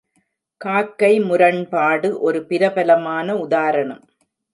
காக்கை முரண்பாடு ஒரு பிரபலமான உதாரணம்.